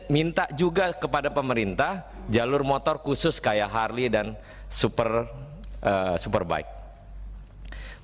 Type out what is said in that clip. minta juga kepada pemerintah jalur motor khusus kayak harley dan superbike